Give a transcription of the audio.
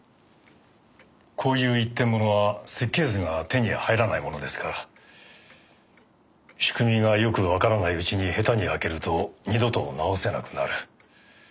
こういう一点ものは設計図が手に入らないものですから仕組みがよくわからないうちに下手に開けると二度と直せなくなる。